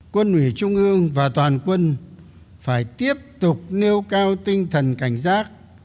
quân ủy trung ương và toàn quân phải tiếp tục nêu cao tinh thần cảnh giác